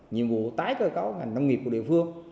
nhiệm vụ tái cơ cấu ngành nông nghiệp của địa phương